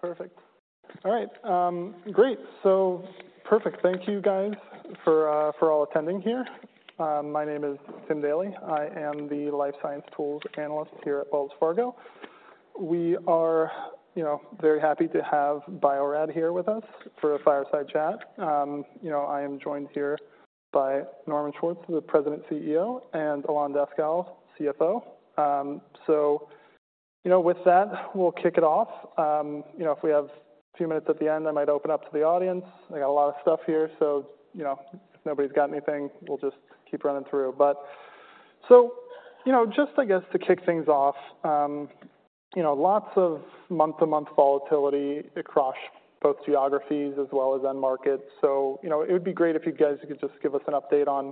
Perfect. All right, great! So, perfect. Thank you, guys, for all attending here. My name is Timothy Daley. I am the life science tools analyst here at Wells Fargo. We are, you know, very happy to have Bio-Rad here with us for a fireside chat. You know, I am joined here by Norman Schwartz, the President and CEO, and Ilan Daskal, CFO. So, you know, with that, we'll kick it off. You know, if we have a few minutes at the end, I might open up to the audience. I got a lot of stuff here, so you know, if nobody's got anything, we'll just keep running through. But so, you know, just I guess to kick things off, you know, lots of month-to-month volatility across both geographies as well as end markets. So, you know, it would be great if you guys could just give us an update on,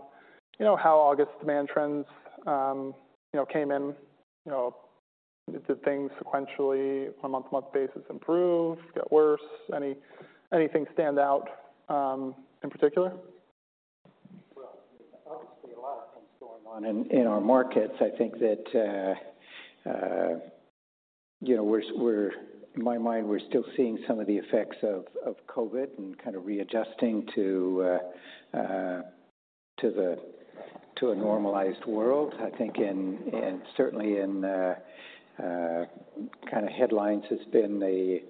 you know, how August demand trends, you know, came in. You know, did things sequentially on a month-to-month basis improve, get worse? Anything stand out, in particular? Well, obviously, a lot of things are going on in our markets. I think that, you know, in my mind, we're still seeing some of the effects of COVID and kind of readjusting to a normalized world. I think, and certainly in kind of headlines, it's been the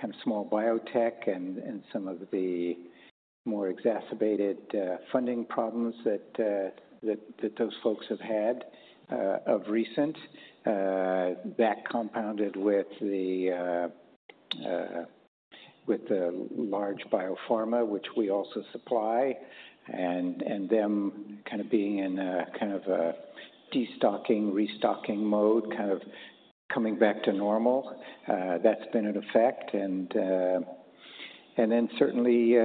kind of small biotech and some of the more exacerbated funding problems that those folks have had of recent. That compounded with the large biopharma, which we also supply, and them kind of being in a kind of a destocking, restocking mode, kind of coming back to normal. That's been an effect, and then certainly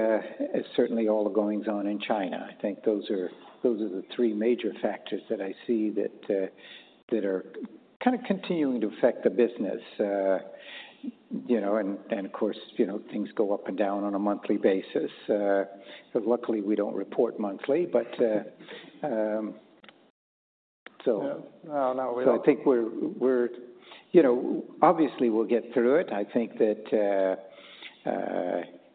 all the goings-on in China. I think those are the three major factors that I see that are kind of continuing to affect the business. You know, and of course, you know, things go up and down on a monthly basis. But luckily, we don't report monthly. But so- Yeah. No, we know. So I think we're, you know, obviously, we'll get through it. I think that,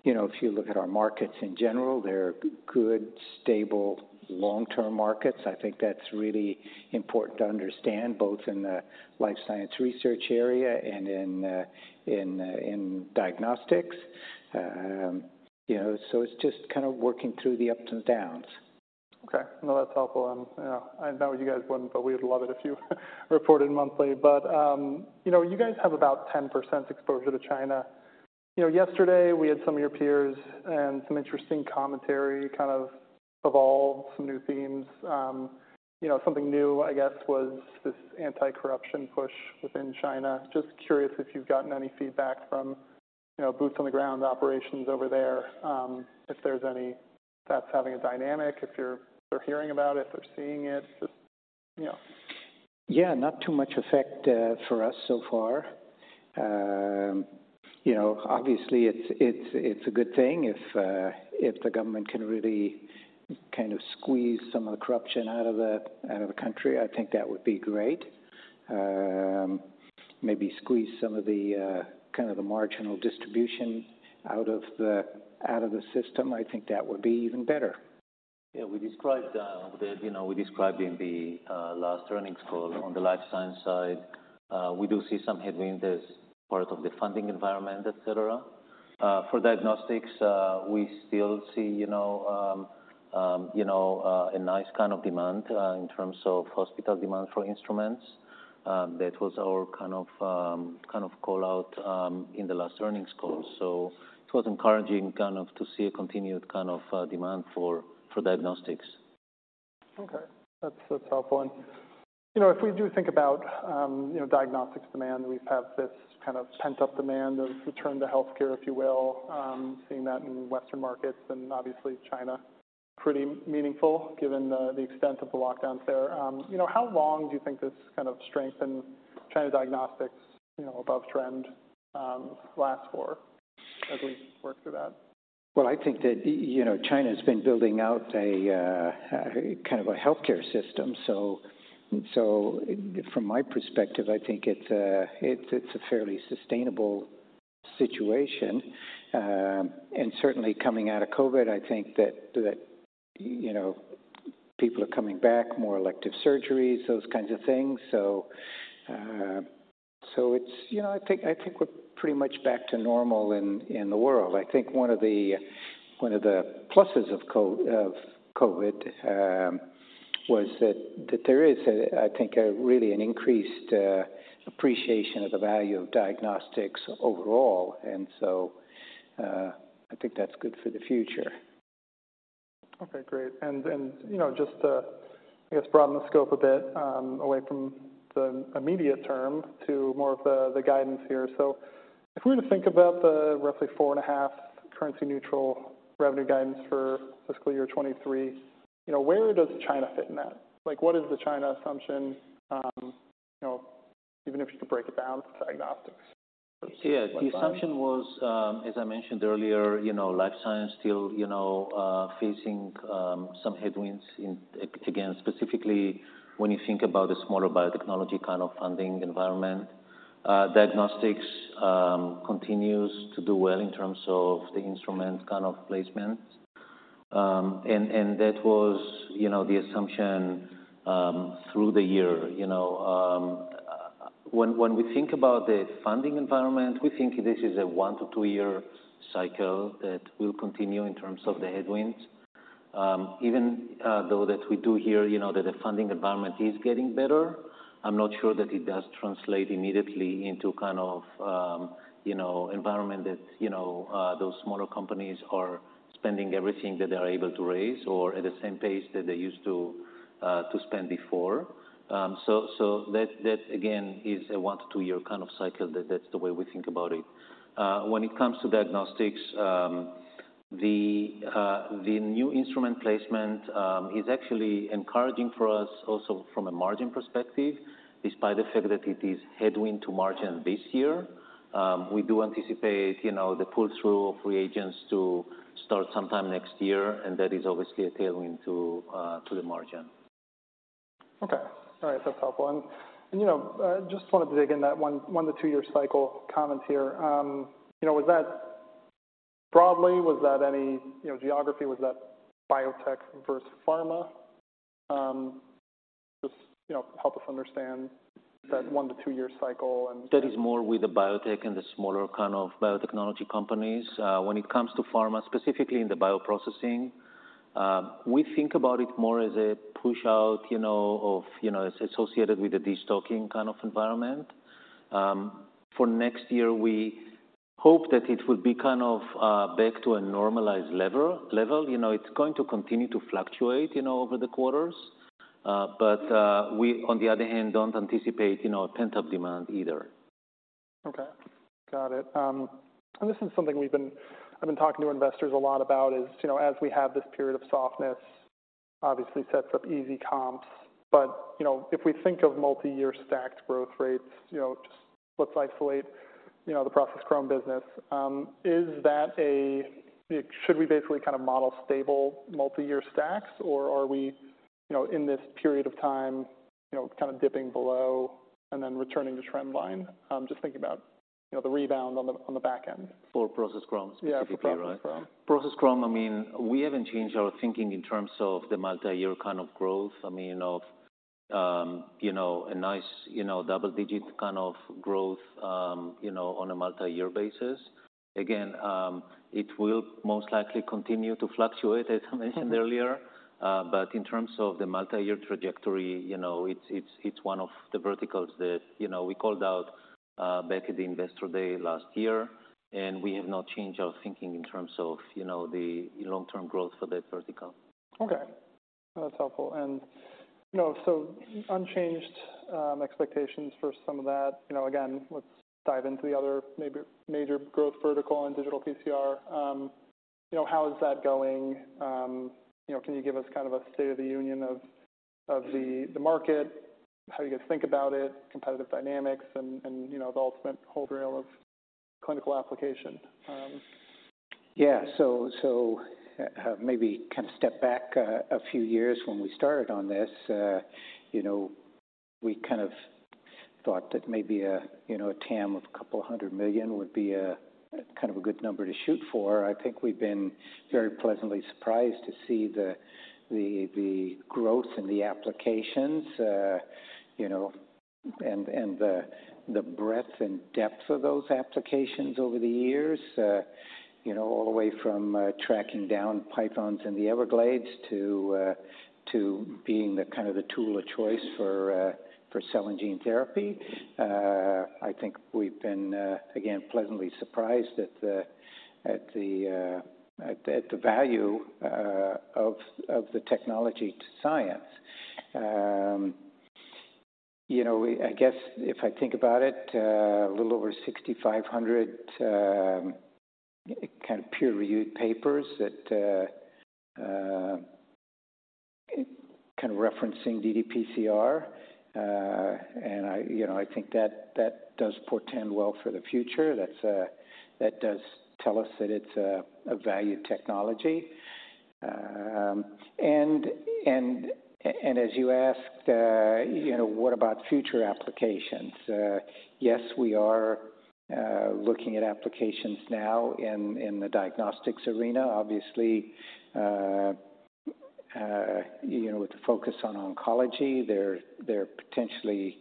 you know, if you look at our markets in general, they're good, stable, long-term markets. I think that's really important to understand, both in the life science research area and in diagnostics. You know, so it's just kind of working through the ups and downs. Okay. No, that's helpful, and, yeah, I know you guys wouldn't, but we would love it if you reported monthly. But, you know, you guys have about 10% exposure to China. You know, yesterday, we had some of your peers and some interesting commentary kind of evolved, some new themes. You know, something new, I guess, was this anti-corruption push within China. Just curious if you've gotten any feedback from, you know, boots on the ground operations over there, if there's any, that's having a dynamic, if you're, they're hearing about it, if they're seeing it, just, you know. Yeah, not too much effect for us so far. You know, obviously, it's a good thing if the government can really kind of squeeze some of the corruption out of the country. I think that would be great. Maybe squeeze some of the kind of the marginal distribution out of the system. I think that would be even better. Yeah, we described, you know, we described in the last earnings call on the Life Science side. We do see some headwinds as part of the funding environment, et cetera. For diagnostics, we still see, you know, a nice kind of demand in terms of hospital demand for instruments. That was our kind of call-out in the last earnings call. So it was encouraging, kind of, to see a continued kind of demand for diagnostics. Okay, that's helpful. And, you know, if we do think about, you know, diagnostics demand, we've had this kind of pent-up demand of return to healthcare, if you will. Seeing that in Western markets and obviously China, pretty meaningful, given the extent of the lockdowns there. You know, how long do you think this kind of strength in China diagnostics, you know, above trend, lasts for as we work through that? Well, I think that you know, China's been building out a kind of a healthcare system, so from my perspective, I think it's a fairly sustainable situation. And certainly coming out of COVID, I think that you know, people are coming back, more elective surgeries, those kinds of things, so it's, you know, I think we're pretty much back to normal in the world. I think one of the pluses of COVID was that there is a really increased appreciation of the value of diagnostics overall, and so I think that's good for the future. Okay, great. And then, you know, just to, I guess, broaden the scope a bit, away from the immediate term to more of the guidance here. So if we were to think about the roughly 4.5 currency-neutral revenue guidance for fiscal year 2023, you know, where does China fit in that? Like, what is the China assumption, you know, even if you could break it down to diagnostics? Yeah. The assumption was, as I mentioned earlier, you know, life science still, you know, facing some headwinds in, again, specifically when you think about the smaller biotechnology kind of funding environment. Diagnostics continues to do well in terms of the instrument kind of placement. And that was, you know, the assumption, through the year. You know, when we think about the funding environment, we think this is a one-to-two-year cycle that will continue in terms of the headwinds. Even though we do hear, you know, that the funding environment is getting better, I'm not sure that it does translate immediately into kind of, you know, environment that, you know, those smaller companies are spending everything that they are able to raise or at the same pace that they used to spend before. So that again is a one-to-two-year kind of cycle. That's the way we think about it. When it comes to diagnostics, the new instrument placement is actually encouraging for us also from a margin perspective, despite the fact that it is headwind to margin this year. We do anticipate, you know, the pull-through of reagents to start sometime next year, and that is obviously a tailwind to the margin. Okay. All right. That's helpful. And, you know, just want to dig in that one-to-two-year cycle comment here. You know, was that broadly, was that any, you know, geography? Was that biotech versus pharma? Just, you know, help us understand that one-to-two-year cycle and- That is more with the biotech and the smaller kind of biotechnology companies. When it comes to pharma, specifically in the bioprocessing, we think about it more as a push-out, you know, of, you know, as associated with the destocking kind of environment. For next year, we hope that it will be kind of back to a normalized level. You know, it's going to continue to fluctuate, you know, over the quarters, but we on the other hand, don't anticipate, you know, a pent-up demand either. Okay, got it. And this is something I've been talking to investors a lot about is, you know, as we have this period of softness, obviously sets up easy comps, but, you know, if we think of multi-year stacked growth rates, you know, just let's isolate, you know, the Process Chrom business. Should we basically kind of model stable multi-year stacks, or are we, you know, in this period of time, you know, kind of dipping below and then returning to trend line? Just thinking about, you know, the rebound on the back end. For Process Chrom specifically, right? Yeah, for Process Chrom. Process Chrom, I mean, we haven't changed our thinking in terms of the multi-year kind of growth. I mean, you know, a nice, you know, double-digit kind of growth, you know, on a multi-year basis. Again, it will most likely continue to fluctuate, as I mentioned earlier. But in terms of the multi-year trajectory, you know, it's one of the verticals that, you know, we called out, back at the Investor Day last year, and we have not changed our thinking in terms of, you know, the long-term growth for that vertical. Okay. That's helpful, and, you know, so unchanged expectations for some of that. You know, again, let's dive into the other maybe major growth vertical in digital PCR. You know, how is that going? You know, can you give us kind of a state of the union of the market, how you guys think about it, competitive dynamics, and the ultimate holy grail of clinical application? Yeah. Maybe kind of step back a few years when we started on this. You know, we kind of thought that maybe, you know, a TAM of a couple of hundred million would be a kind of a good number to shoot for. I think we've been very pleasantly surprised to see the growth in the applications, you know, and the breadth and depth of those applications over the years. You know, all the way from tracking down pythons in the Everglades to being the kind of the tool of choice for cell and gene therapy. I think we've been, again, pleasantly surprised at the value of the technology to science. You know, I guess if I think about it, a little over 6,500 kind of peer-reviewed papers that kind of referencing ddPCR, and I, you know, I think that does portend well for the future. That does tell us that it's a valued technology. And as you asked, you know, what about future applications? Yes, we are looking at applications now in the diagnostics arena. Obviously, you know, with the focus on oncology, there are potentially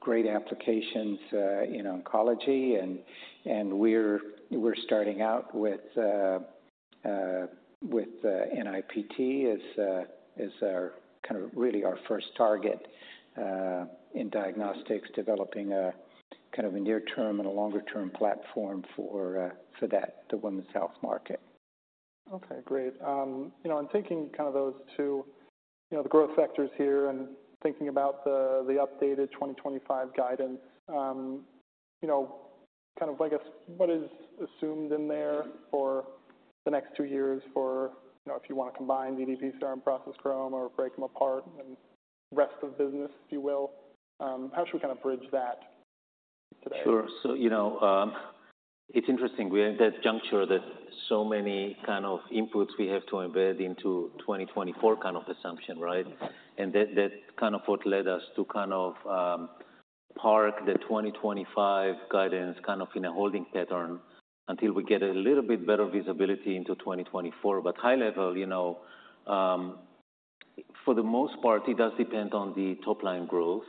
great applications in oncology, and we're starting out with NIPT as our kind of really our first target in diagnostics, developing a kind of a near-term and a longer-term platform for that, the women's health market. Okay, great. You know, in thinking kind of those two, you know, the growth sectors here and thinking about the updated 2025 guidance, you know, kind of, I guess, what is assumed in there for the next two years for, you know, if you want to combine ddPCR and Process Chrom or break them apart and rest of business, if you will, how should we kind of bridge that today? Sure. You know, it's interesting. We are at that juncture that so many kind of inputs we have to embed into 2024 kind of assumption, right? That kind of what led us to kind of park the 2025 guidance kind of in a holding pattern until we get a little bit better visibility into 2024. High level, you know, for the most part, it does depend on the top-line growth.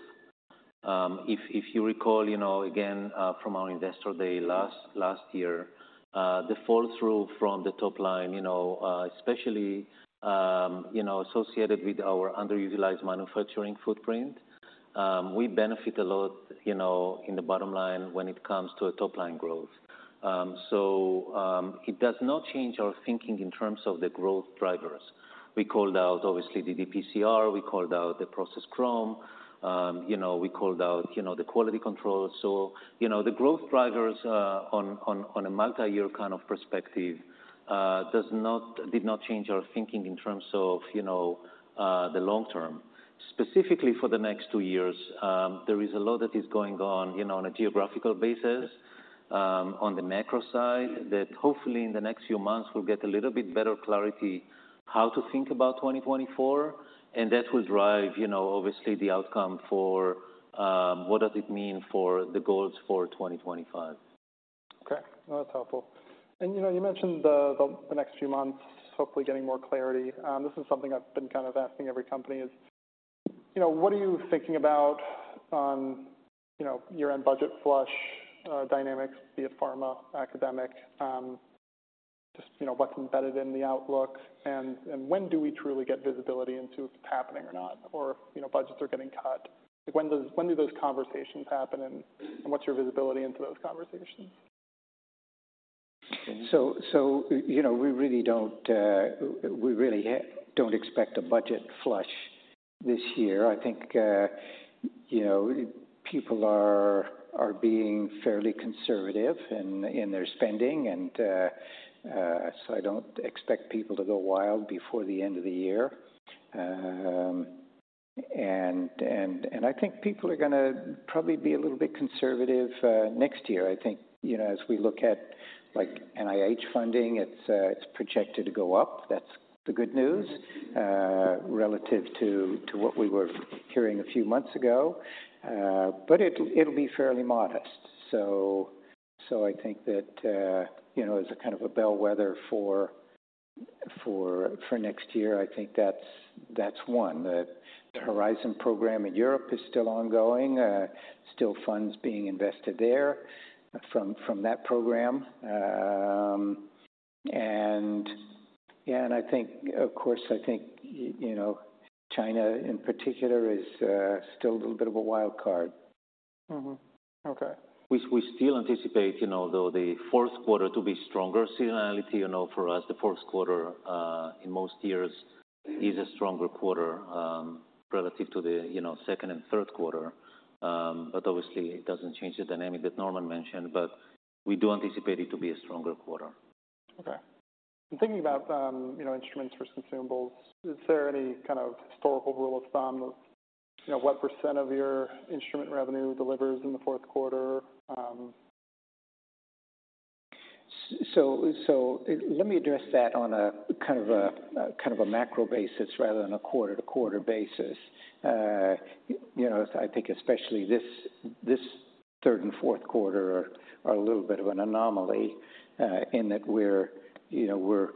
If you recall, you know, again, from our investor day last year, the fall-through from the top line, you know, especially, you know, associated with our underutilized manufacturing footprint, we benefit a lot, you know, in the bottom line when it comes to a top-line growth. So, it does not change our thinking in terms of the growth drivers. We called out, obviously, the ddPCR, we called out the Process Chrom, you know, we called out, you know, the quality control. So, you know, the growth drivers on a multi-year kind of perspective, did not change our thinking in terms of, you know, the long term. Specifically for the next two years, there is a lot that is going on, you know, on a geographical basis, on the macro side, that hopefully in the next few months we'll get a little bit better clarity how to think about 2024, and that will drive, you know, obviously the outcome for, what does it mean for the goals for 2025. Okay, well, that's helpful. And, you know, you mentioned the next few months hopefully getting more clarity. This is something I've been kind of asking every company is, you know, what are you thinking about on, you know, year-end budget flush dynamics, be it pharma, academic? Just, you know, what's embedded in the outlook, and when do we truly get visibility into if it's happening or not, or, you know, budgets are getting cut. Like, when do those conversations happen, and what's your visibility into those conversations? So, you know, we really don't, we really don't expect a budget flush this year. I think, you know, people are being fairly conservative in their spending, and so I don't expect people to go wild before the end of the year. And I think people are gonna probably be a little bit conservative next year. I think, you know, as we look at, like, NIH funding, it's projected to go up. That's the good news- Relative to what we were hearing a few months ago, it'll be fairly modest. I think that, you know, as a kind of a bellwether for next year, I think that's one. The Horizon program in Europe is still ongoing, still funds being invested there from that program. Yeah, and I think, of course, I think, you know, China in particular is still a little bit of a wild card. Okay. We still anticipate, you know, though, the fourth quarter to be stronger. Seasonality, you know, for us, the fourth quarter in most years is a stronger quarter, relative to the, you know, second and third quarter. But obviously, it doesn't change the dynamic that Norman mentioned, but we do anticipate it to be a stronger quarter. Okay. In thinking about, you know, instruments versus consumables, is there any kind of historical rule of thumb of, you know, what percent of your instrument revenue delivers in the fourth quarter? So let me address that on a kind of a macro basis rather than a quarter-to-quarter basis. You know, I think especially this, this third and fourth quarter are a little bit of an anomaly, in that, you know, we're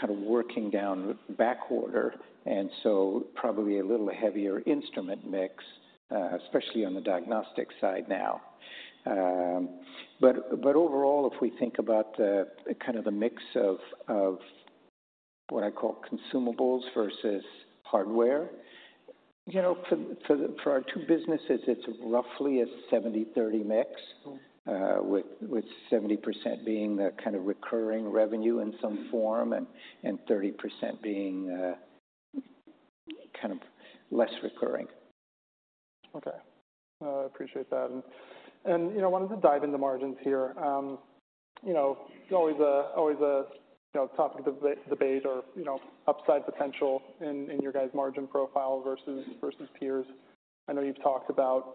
kind of working down backorder, and so probably a little heavier instrument mix, especially on the diagnostic side now. But overall, if we think about the kind of the mix of, of what I call consumables versus hardware, you know, for our two businesses, it's roughly a 70/30 mix. With 70% being the kind of recurring revenue in some form and 30% being kind of less recurring. Okay. I appreciate that. And, you know, wanted to dive into margins here. You know, always a, you know, topic of debate or, you know, upside potential in, in your guys' margin profile versus, versus peers. I know you've talked about,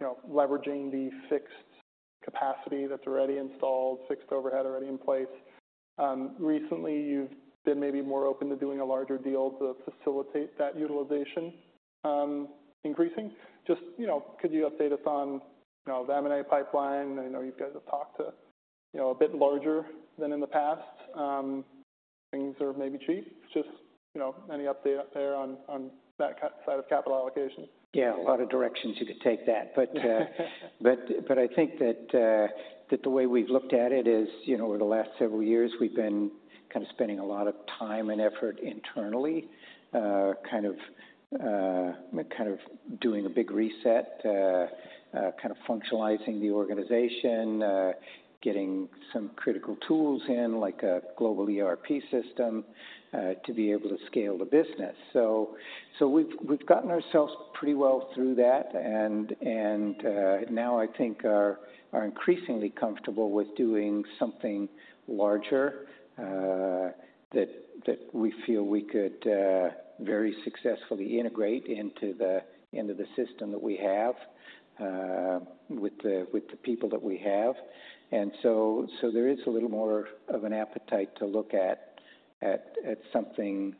you know, leveraging the fixed capacity that's already installed, fixed overhead already in place. Recently, you've been maybe more open to doing a larger deal to facilitate that utilization increasing. Just, you know, could you update us on, you know, the M&A pipeline? I know you guys have talked to, you know, a bit larger than in the past. Things are maybe cheap. Just, you know, any update there on that capital side of capital allocation? Yeah, a lot of directions you could take that. But I think that the way we've looked at it is, you know, over the last several years, we've been kind of spending a lot of time and effort internally, kind of doing a big reset, kind of functionalizing the organization. Getting some critical tools in, like a global ERP system, to be able to scale the business. We've gotten ourselves pretty well through that, and now I think are increasingly comfortable with doing something larger, that we feel we could very successfully integrate into the system that we have, with the people that we have. There is a little more of an appetite to look at something.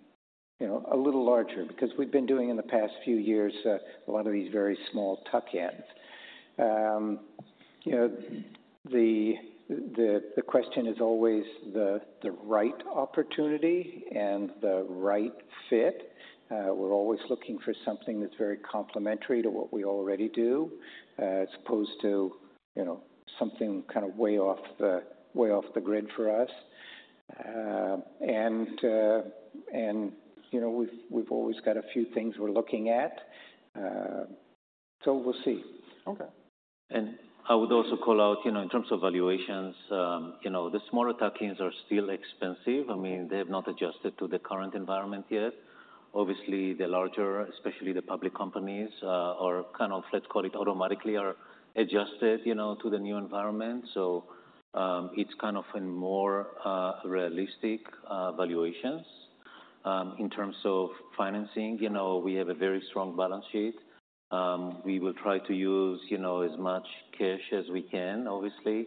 You know, a little larger, because we've been doing in the past few years a lot of these very small tuck-ins. You know, the question is always the right opportunity and the right fit. We're always looking for something that's very complementary to what we already do, as opposed to, you know, something kind of way off the grid for us. And, you know, we've always got a few things we're looking at. So we'll see. Okay. And I would also call out, you know, in terms of valuations, you know, the smaller tuck-ins are still expensive. I mean, they have not adjusted to the current environment yet. Obviously, the larger, especially the public companies, are kind of, let's call it, automatically are adjusted, you know, to the new environment. So, it's kind of in more realistic valuations. In terms of financing, you know, we have a very strong balance sheet. We will try to use, you know, as much cash as we can, obviously,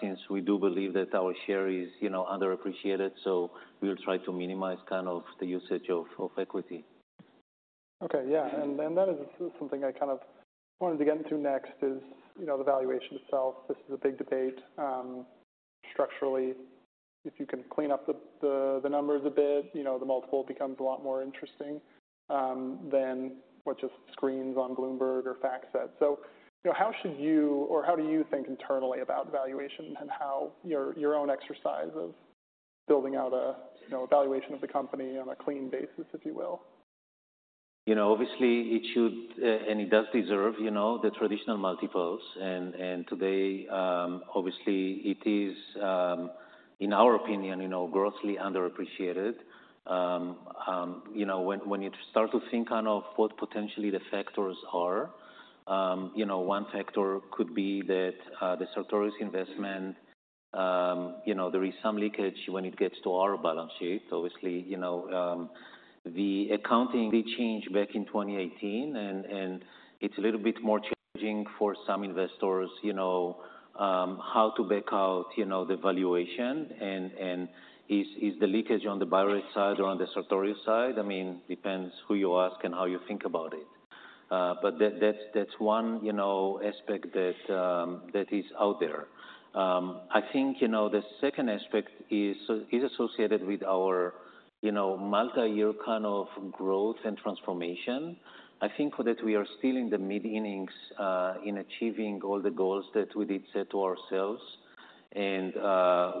since we do believe that our share is, you know, underappreciated. So we'll try to minimize kind of the usage of equity. Okay, yeah, and that is something I kind of wanted to get into next is, you know, the valuation itself. This is a big debate. Structurally, if you can clean up the numbers a bit, you know, the multiple becomes a lot more interesting than what just screens on Bloomberg or FactSet. So, you know, how should you, or how do you think internally about valuation and how your own exercise of building out a, you know, valuation of the company on a clean basis, if you will? You know, obviously, it should, and it does deserve, you know, the traditional multiples. And today, obviously, it is, in our opinion, you know, grossly underappreciated. You know, when you start to think kind of what potentially the factors are, you know, one factor could be that the Sartorius investment, you know, there is some leakage when it gets to our balance sheet. Obviously, you know, the accounting, they changed back in 2018, and it's a little bit more challenging for some investors, you know, how to bake out, you know, the valuation. And is the leakage on the Bio-Rad side or on the Sartorius side? I mean, it depends who you ask and how you think about it. But that's one, you know, aspect that is out there. I think, you know, the second aspect is so, is associated with our, you know, multi-year kind of growth and transformation. I think for that, we are still in the mid-innings, in achieving all the goals that we did set to ourselves. And,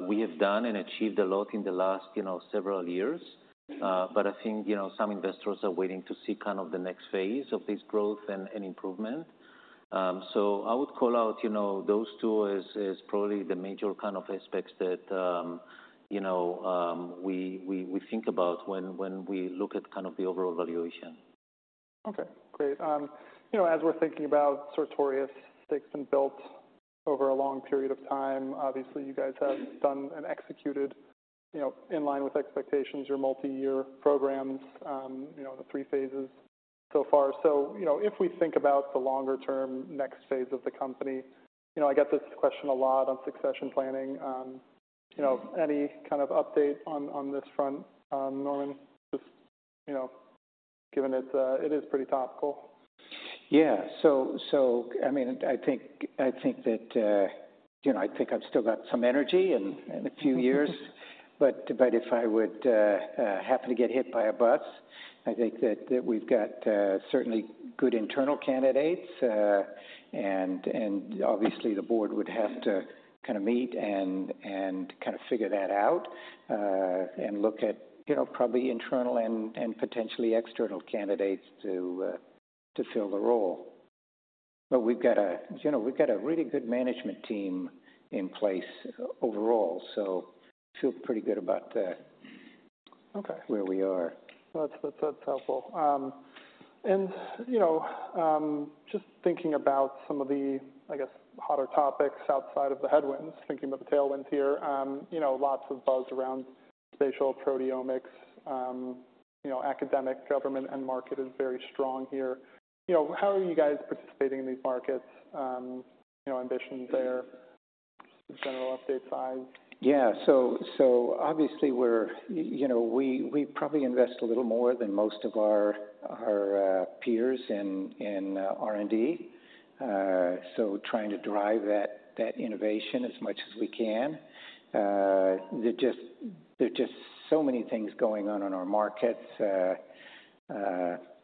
we have done and achieved a lot in the last, you know, several years. But I think, you know, some investors are waiting to see kind of the next phase of this growth and improvement. So I would call out, you know, those two as probably the major kind of aspects that, you know, we think about when we look at kind of the overall valuation. Okay, great. You know, as we're thinking about Sartorius, stake's been built over a long period of time. Obviously, you guys have done and executed, you know, in line with expectations, your multi-year programs, you know, the three phases so far. So, you know, if we think about the longer term, next phase of the company, you know, I get this question a lot on succession planning. You know, any kind of update on this front, Norman? Just, you know, given it is pretty topical. Yeah. I mean, I think that, you know, I think I've still got some energy and a few years. But if I would happen to get hit by a bus, I think that we've got certainly good internal candidates. And obviously, the board would have to kind of meet and kind of figure that out, and look at, you know, probably internal and potentially external candidates to fill the role. But we've got, you know, a really good management team in place overall, so feel pretty good about that where we are. Well, that's helpful. You know, just thinking about some of the, I guess, hotter topics outside of the headwinds, thinking about the tailwinds here, you know, lots of buzz around spatial proteomics. You know, academic, government, and market is very strong here. You know, how are you guys participating in these markets? You know, ambitions there, general update size? Yeah. So, obviously we're, you know, we probably invest a little more than most of our, peers in R&D. So trying to drive that innovation as much as we can. There are just so many things going on in our markets.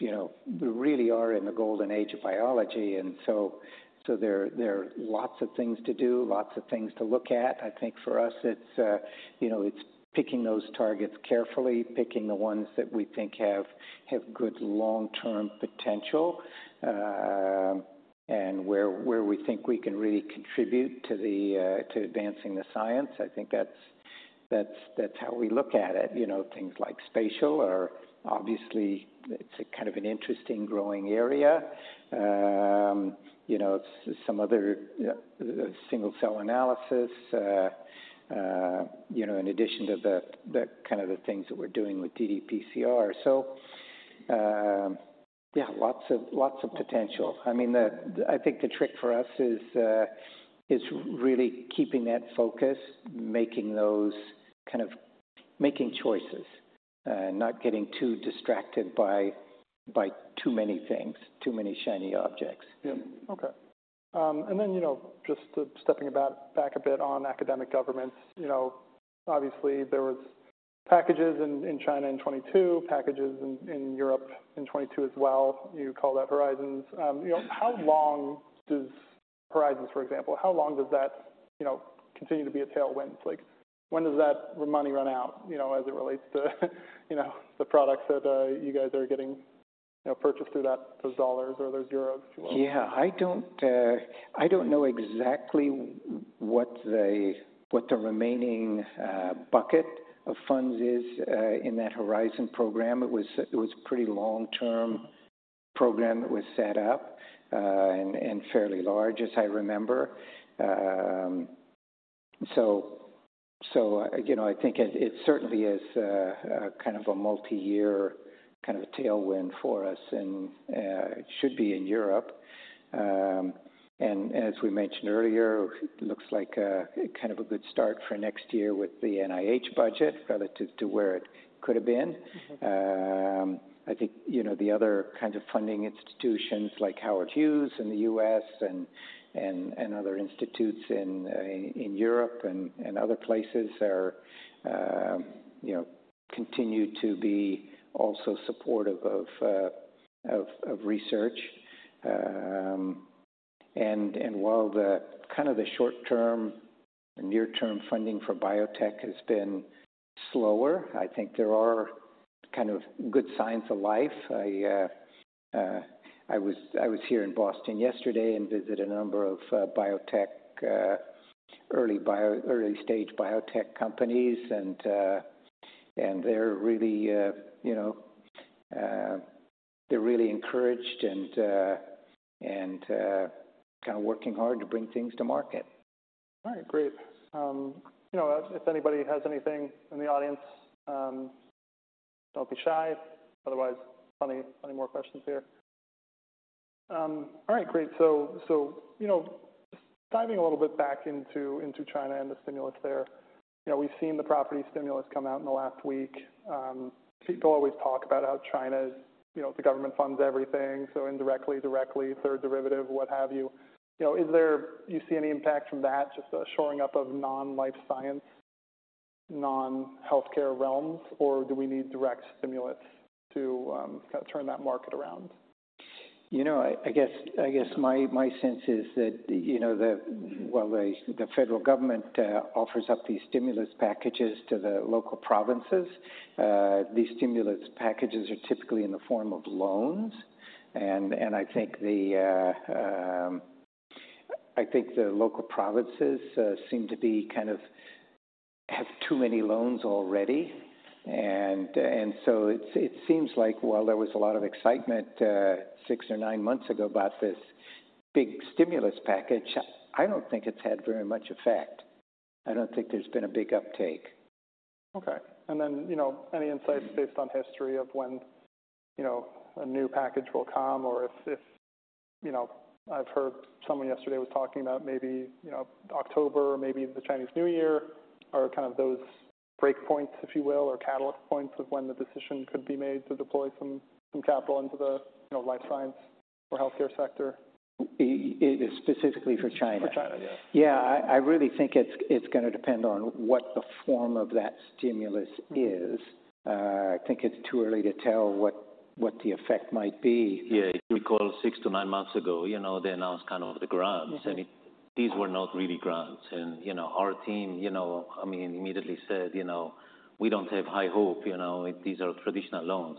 You know, we really are in the golden age of biology, and so there are lots of things to do, lots of things to look at. I think for us, you know, it's picking those targets carefully, picking the ones that we think have good long-term potential, and where we think we can really contribute to the, to advancing the science. I think that's how we look at it. You know, things like spatial are obviously, it's a kind of an interesting growing area. You know, some other single-cell analysis, you know, in addition to the kind of things that we're doing with ddPCR. So, yeah, lots of potential. I mean, I think the trick for us is really keeping that focus, making those kind of choices, not getting too distracted by too many things, too many shiny objects. Yeah. Okay. And then, you know, just stepping about back a bit on academic governments, you know, obviously there was packages in China in 2022, packages in Europe in 2022 as well. You call that Horizon. You know, how long does Horizon, for example, how long does that, you know, continue to be a tailwind? Like, when does that money run out, you know, as it relates to you know, the products that you guys are getting, you know, purchased through that, those dollars or those euros, if you will? Yeah, I don't know exactly what the, what the remaining bucket of funds is, in that Horizon program. It was, it was pretty long-term program that was set up, and, and fairly large, as I remember. So, you know, I think it, it certainly is, kind of a multiyear kind of a tailwind for us, and, it should be in Europe. And as we mentioned earlier, looks like, kind of a good start for next year with the NIH budget relative to where it could have been. I think, you know, the other kinds of funding institutions like Howard Hughes in the U.S. and other institutes in Europe and other places, you know, continue to be also supportive of research. And while the kind of the short term, near-term funding for biotech has been slower, I think there are kind of good signs of life. I was here in Boston yesterday and visited a number of early-stage biotech companies, and they're really, you know, really encouraged and kind of working hard to bring things to market. All right, great. You know, if anybody has anything in the audience, don't be shy. Otherwise, plenty, plenty more questions here. All right, great. So you know, diving a little bit back into, into China and the stimulus there, you know, we've seen the property stimulus come out in the last week. People always talk about how China's, you know, the government funds everything, so indirectly, directly, third derivative, what-have-you. You know, do you see any impact from that, just a shoring up of non-life science, non-healthcare realms, or do we need direct stimulus to kind of turn that market around? You know, I guess my sense is that, you know, while the federal government offers up these stimulus packages to the local provinces, these stimulus packages are typically in the form of loans. I think the local provinces seem to be kind of have too many loans already. So it seems like while there was a lot of excitement six or nine months ago about this big stimulus package, I don't think it's had very much effect. I don't think there's been a big uptake. Okay. And then, you know, any insights based on history of when, you know, a new package will come, or if, you know... I've heard someone yesterday was talking about maybe, you know, October or maybe the Chinese New Year are kind of those break points, if you will, or catalyst points of when the decision could be made to deploy some capital into the, you know, life science or healthcare sector. It is specifically for China? For China, yes. Yeah, I really think it's gonna depend on what the form of that stimulus is. I think it's too early to tell what the effect might be. Yeah, if you recall, six to nine months ago, you know, they announced kind of the grants. And these were not really grants, and, you know, our team, you know, I mean, immediately said, "You know, we don't have high hope, you know, if these are traditional loans."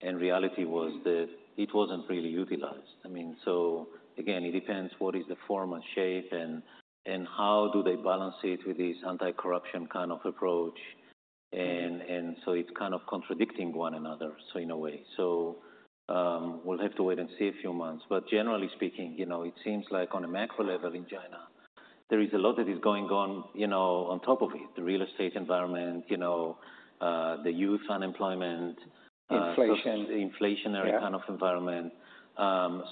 And reality was that it wasn't really utilized. I mean, so again, it depends what is the form and shape and how do they balance it with this anti-corruption kind of approach. And so it's kind of contradicting one another, so in a way. So we'll have to wait and see a few months. But generally speaking, you know, it seems like on a macro level in China, there is a lot that is going on, you know, on top of it, the real estate environment, you know, the youth unemployment. Inflation Inflationary kind of environment.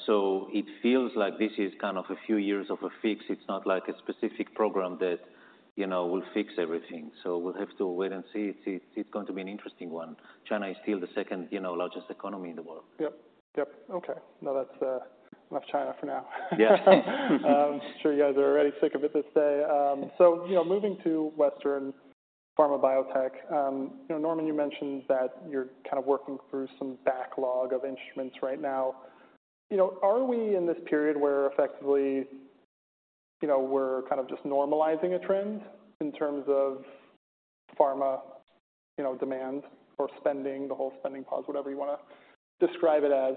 So it feels like this is kind of a few years of a fix. It's not like a specific program that, you know, will fix everything, so we'll have to wait and see. It's going to be an interesting one. China is still the second, you know, largest economy in the world. Yep. Yep. Okay, now let's leave China for now. Yeah. I'm sure you guys are already sick of it this day. So, you know, moving to Western pharma biotech, you know, Norman, you mentioned that you're kind of working through some backlog of instruments right now. You know, are we in this period where effectively, you know, we're kind of just normalizing a trend in terms of pharma, you know, demand or spending, the whole spending pause, whatever you want to describe it as?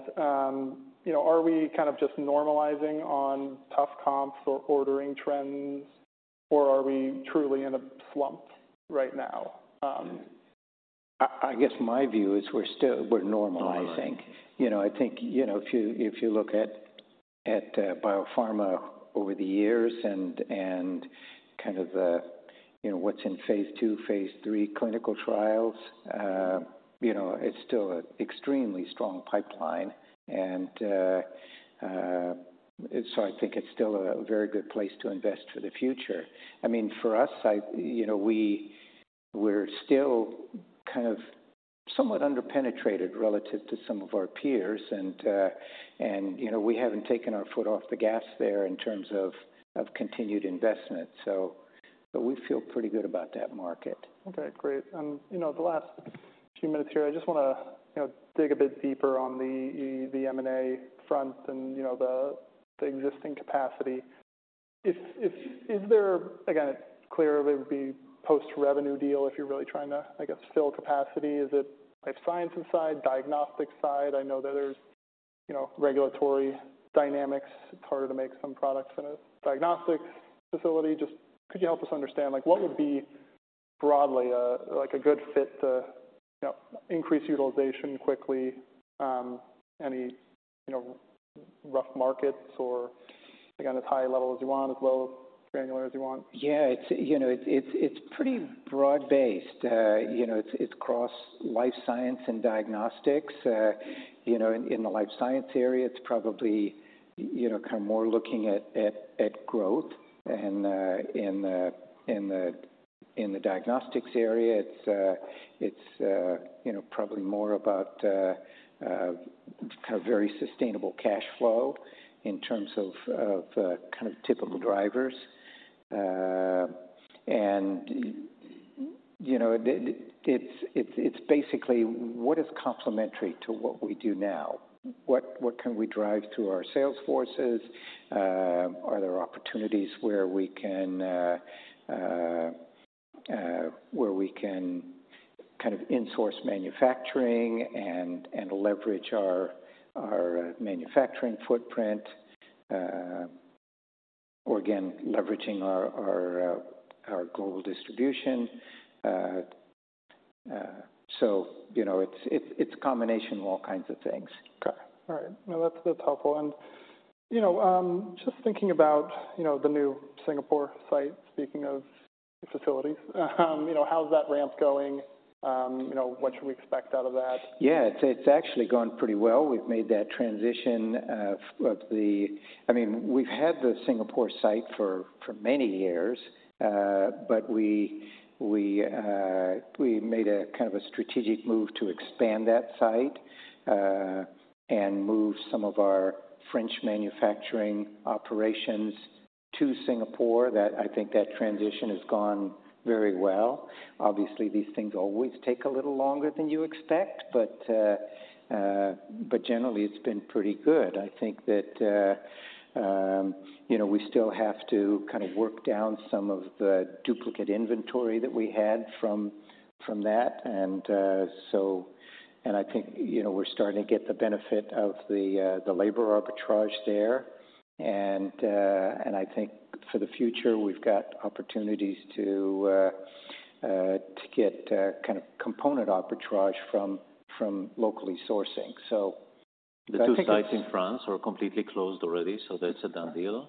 You know, are we kind of just normalizing on tough comps or ordering trends, or are we truly in a slump right now? I guess my view is we're still normalizing. All right. You know, I think, you know, if you look at biopharma over the years and kind of the, you know, what's in phase II, phase III clinical trials. You know, it's still an extremely strong pipeline, and so I think it's still a very good place to invest for the future. I mean, for us, I, you know, we're still kind of somewhat under-penetrated relative to some of our peers. And, and, you know, we haven't taken our foot off the gas there in terms of continued investment. So, but we feel pretty good about that market. Okay, great. You know, the last few minutes here, I just wanna, you know, dig a bit deeper on the M&A front and, you know, the existing capacity. Is there, again, it clearly would be post-revenue deal if you're really trying to, I guess, fill capacity. Is it life sciences side, diagnostics side? I know that there's, you know, regulatory dynamics. It's harder to make some products in a diagnostics facility. Just could you help us understand, like, what would be broadly, like, a good fit to, you know, increase utilization quickly? Any, you know, rough markets or, again, as high level as you want, as low granular as you want. Yeah, you know, it's pretty broad-based. You know, it's cross life science and diagnostics. You know, in the life science area, it's probably, you know, kind of more looking at growth. And in the diagnostics area, it's, you know, probably more about kind of very sustainable cash flow in terms of kind of typical drivers. And, you know, it's basically what is complementary to what we do now? What can we drive through our sales forces? Are there opportunities where we can kind of in-source manufacturing and leverage our manufacturing footprint? Or again, leveraging our global distribution. So, you know, it's a combination of all kinds of things. Okay. All right. No, that's helpful. And, you know, just thinking about, you know, the new Singapore site, speaking of facilities, you know, how's that ramp going? You know, what should we expect out of that? Yeah, it's actually going pretty well. We've made that transition of the, I mean, we've had the Singapore site for many years. But we made a kind of a strategic move to expand that site, and move some of our French manufacturing operations to Singapore. That, I think, transition has gone very well. Obviously, these things always take a little longer than you expect, but generally, it's been pretty good. I think that, you know, we still have to kind of work down some of the duplicate inventory that we had from that. And I think, you know, we're starting to get the benefit of the labor arbitrage there. And I think for the future, we've got opportunities to get kind of component arbitrage from locally sourcing. So I think- The two sites in France are completely closed already, so that's a done deal.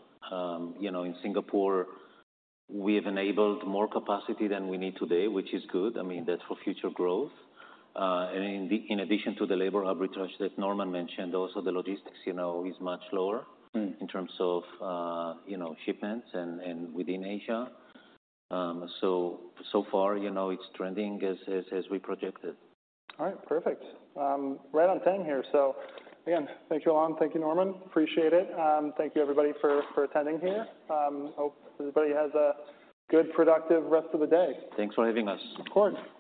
You know, in Singapore, we have enabled more capacity than we need today, which is good. I mean, that's for future growth. And in addition to the labor arbitrage that Norman mentioned, also the logistics, you know, is much lower in terms of, you know, shipments and within Asia. So far, you know, it's trending as we projected. All right. Perfect. Right on time here. So again, thank you, Ilan. Thank you, Norman. Appreciate it. Thank you, everybody, for attending here. Hope everybody has a good, productive rest of the day. Thanks for having us. Of course.